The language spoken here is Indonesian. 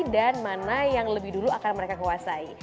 mana yang lebih dulu akan mereka kuasai